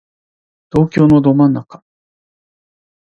東京のど真ん中